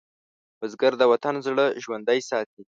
بزګر د وطن زړه ژوندی ساتي